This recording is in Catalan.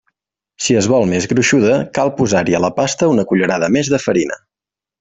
Si es vol més gruixuda, cal posar-hi a la pasta una cullerada més de farina.